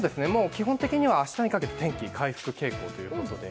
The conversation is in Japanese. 基本的には明日にかけて天気回復傾向ということで。